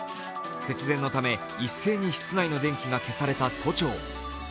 節電のため一斉に室内の電気が消された都庁。